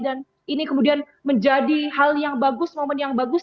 dan ini kemudian menjadi hal yang bagus momen yang bagus